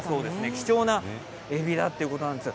貴重なえびだということなんです。